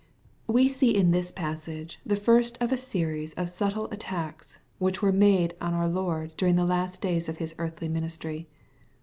Wk see in this passage the first of a series of subtle attacks, which were made on our Loid during the last days of His earthly ministry.